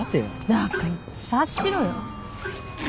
だから察しろよ。